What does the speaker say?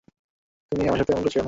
তুমি আমার সাথে এমন করছো কেন?